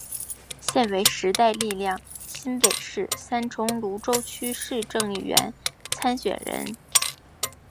现为时代力量新北市三重芦洲区市议员参选人。